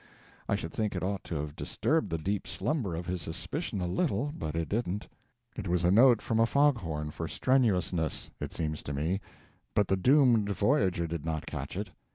I should think it ought to have disturbed the deep slumber of his suspicion a little, but it didn't. It was a note from a fog horn for strenuousness, it seems to me, but the doomed voyager did not catch it.